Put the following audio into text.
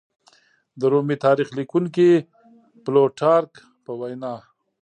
د رومي تاریخ لیکونکي پلوټارک په وینا